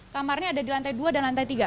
kamarnya ada di lantai dua dan lantai tiga